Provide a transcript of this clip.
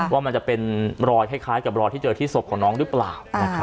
ว่ามันจะเป็นรอยคล้ายกับรอยที่เจอที่ศพของน้องหรือเปล่า